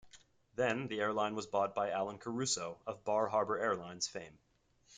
Then the airline was brought by Allen Caruso of Bar Harbor Airlines fame.